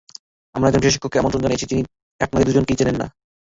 আমরা একজন বিশেষ শিক্ষককে আমন্ত্রণ জানিয়েছি, যিনি আপনাদের দুজনকেই চেনেন না।